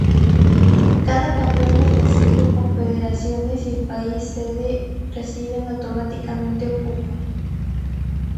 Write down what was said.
Cada campeón de las cinco confederaciones y el país sede reciben automáticamente un cupo.